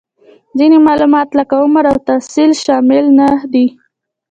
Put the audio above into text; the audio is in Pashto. ځینې معلومات لکه عمر او تحصیل شامل نهدي